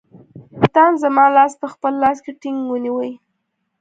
سلطان زما لاس په خپل لاس کې ټینګ ونیوی.